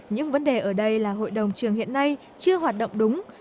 những vấn đề ở đây là hội đồng trường hiện nay chưa hoạt động đúng